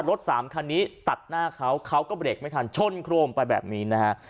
รถสามคันนี้ตัดหน้าเขาเขาก็เบรกไม่ทันชนโครมไปแบบนี้นะฮะ